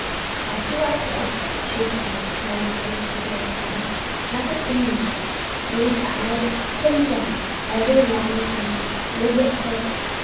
"What do I get?" she said, spreading out her great red hands, "not a thing. Maybe five, ten cents. Every long time maybe a quarter.